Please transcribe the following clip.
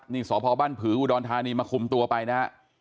นี่สพบ้านผืออุดรธานีมาคุมตัวไปนะฮะ